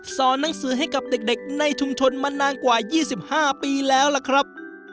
หนังสือให้กับเด็กในชุมชนมานานกว่า๒๕ปีแล้วล่ะครับ